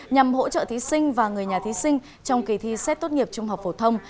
nhằm hỗ trợ thí sinh và người nhà thí sinh trong kỳ thi xét tốt nghiệp trung học phổ thông